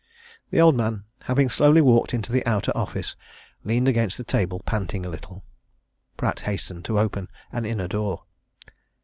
The old man, having slowly walked into the outer office, leaned against a table, panting a little. Pratt hastened to open an inner door.